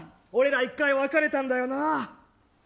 俺ら１回別れたんだよな。